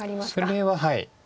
それははい。